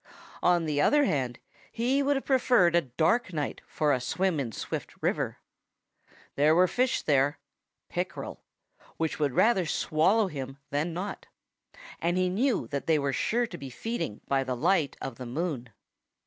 On the other hand, he would have preferred a dark night for a swim in Swift River. There were fish there pickerel which would rather swallow him than not. And he knew that they were sure to be feeding by the light of the moon.